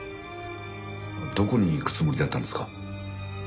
どこに行くつもりだったんですか？